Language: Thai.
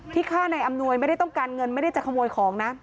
ฆ่านายอำนวยไม่ได้ต้องการเงินไม่ได้จะขโมยของนะ